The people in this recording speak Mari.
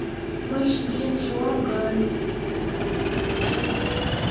Мыйже миен шуам гын?